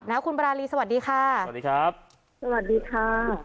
แล้วคุณบรารีสวัสดีค่ะสวัสดีครับสวัสดีค่ะ